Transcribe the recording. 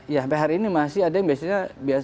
ya sampai hari ini masih ada yang biasanya